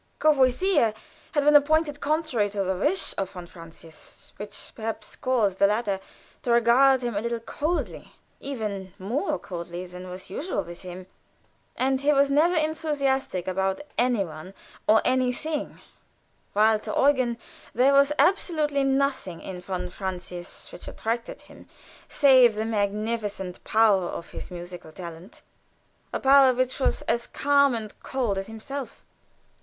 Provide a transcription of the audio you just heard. Courvoisier had been appointed contrary to the wish of von Francius, which perhaps caused the latter to regard him a little coldly even more coldly than was usual with him, and he was never enthusiastic about any one or anything, while to Eugen there was absolutely nothing in von Francius which attracted him, save the magnificent power of his musical talent a power which was as calm and cold as himself.